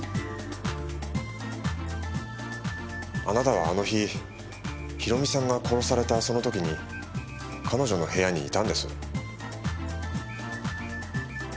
あなたはあの日博美さんが殺されたその時に彼女の部屋にいたんです。